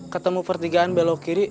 ketemu pertigaan belok kiri